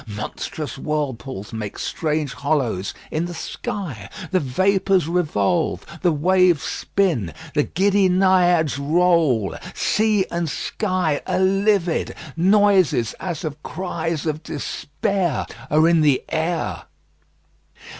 Monstrous whirlpools make strange hollows in the sky. The vapours revolve, the waves spin, the giddy Naiads roll; sea and sky are livid; noises as of cries of despair are in the air.